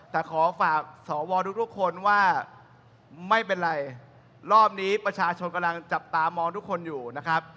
แต่ขอฝากสวทุกคนว่าไม่เป็นไรรอบนี้ประชาชนกำลังจับตามองทุกคนอยู่นะครับ